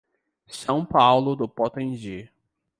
São Paulo do Potengi